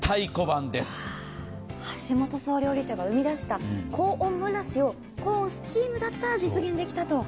橋本総料理長が言い出した高温蒸らしを高温スチームだったら実現できたと。